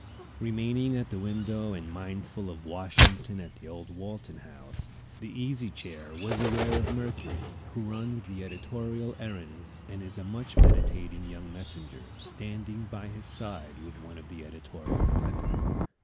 Remaining at the window, and mindful of Washington at the old Walton House, the Easy Chair was aware of Mercury, who runs the editorial errands and is a much meditating young messenger, standing by his side with one of the editorial brethren.